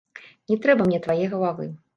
Не трэба мне твае галавы.